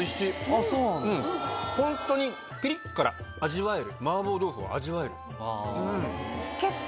ホントにピリっ辛味わえる麻婆豆腐を味わえる。